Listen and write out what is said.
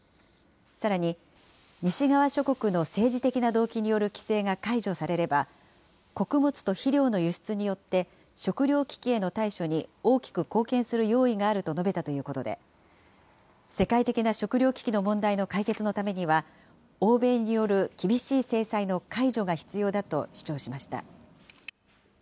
さらに西側諸国の政治的な動機による規制が解除されれば、穀物と肥料の輸出によって、食糧危機への対処に大きく貢献する用意があると述べたということで、世界的な食糧危機の問題の解決のためには、欧米による厳しい制裁の解除が必要だと主張しました。